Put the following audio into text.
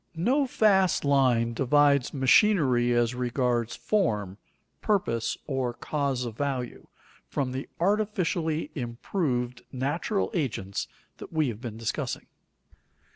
No fast line divides machinery as regards form, purpose, or cause of value, from the artificially improved natural agents that we have been discussing.